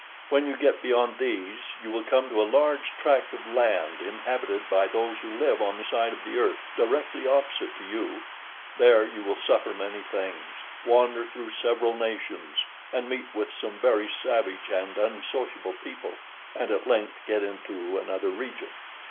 When you get beyond these you will come to a large tract of land inhabited by those who live on the side of the earth directly opposite to you, there you will suffer many things, wander through several nations, and meet with some very savage and unsociable people, and at length get into another region."